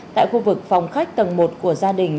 tại khu vực phòng khách tầng một của gia đình